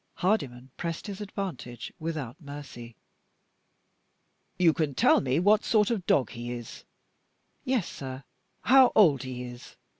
Hardyman pressed his advantage without mercy. "You can tell me what sort of dog he is?" "Yes, sir." "How old he is?"